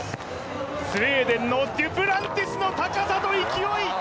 スウェーデンのデュプランティスの高さと勢い。